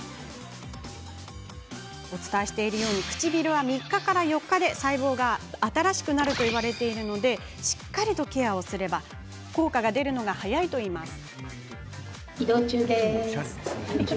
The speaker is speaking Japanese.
唇は３日から４日で細胞が新しくなるといわれているのでしっかりとケアすれば効果が出るのが早いといいます。